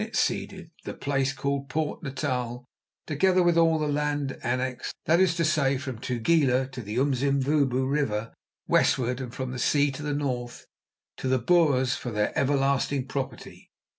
It ceded "the place called Port Natal, together with all the land annexed—that is to say, from Tugela to the Umzimvubu River westward, and from the sea to the north"—to the Boers, "for their everlasting property."